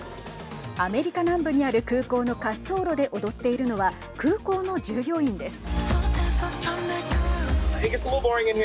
アメリカ南部にある空港の滑走路で踊っているのは空港の従業員です。